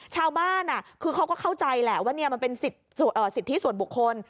ชาวบ้านคือเขาก็เข้าใจแหละว่ามันเป็นสิทธิส่วนบุคคล